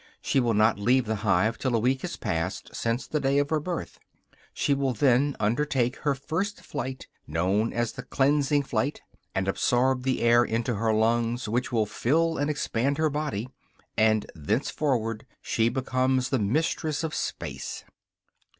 She will not leave the hive till a week has passed since the day of her birth. She will then undertake her first flight, known as the "cleansing flight," and absorb the air into her lungs, which will fill and expand her body; and thenceforward she becomes the mistress of space.